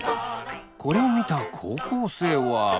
これを見た高校生は。